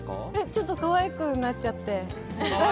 ちょっとかわいくなっちゃって。